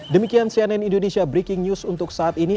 demikian cnn indonesia breaking news untuk saat ini